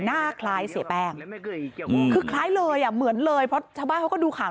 หน้าคล้ายเสียแป้งคือคล้ายเลยอ่ะเหมือนเลยเพราะชาวบ้านเขาก็ดูข่าว